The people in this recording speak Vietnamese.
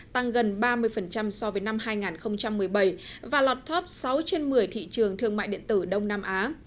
tăng gần ba mươi so với năm hai nghìn một mươi bảy và lọt top sáu trên một mươi thị trường thương mại điện tử đông nam á